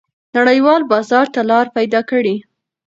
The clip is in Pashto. نړیوال بازار ته لار پیدا کړئ.